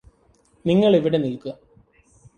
നിങ്ങളവിടെ നില്ക്ക്